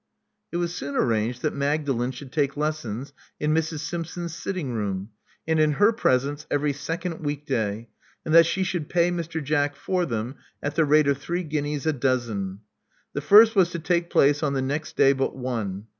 It was soon arranged that Magdalen should take lessons in Mrs. Simpson's sitting room, and in her presence, every second week day, and that she should pay Mr. Jack for them at the rate of three guineas a dozen. The first was to take place on the next day but one.